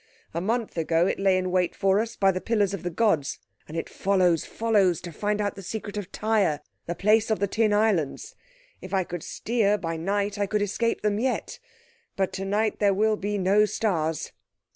A month ago it lay in wait for us, by the pillars of the gods, and it follows, follows, to find out the secret of Tyre—the place of the Tin Islands. If I could steer by night I could escape them yet, but tonight there will be no stars."